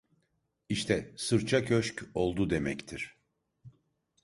İşte, sırça köşk oldu demektir.